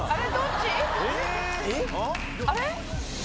あれ？